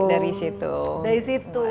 dari situ dari situ